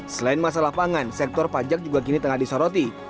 selain masalah pangan sektor pajak juga kini tengah disoroti